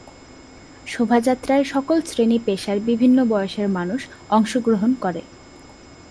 শোভাযাত্রায় সকল শ্রেণী-পেশার বিভিন্ন বয়সের মানুষ অংশগ্রহণ করে।